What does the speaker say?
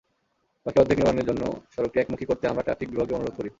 বাকি অর্ধেক নির্মাণের জন্য সড়কটি একমুখী করতে আমরা ট্রাফিক বিভাগকে অনুরোধ করি।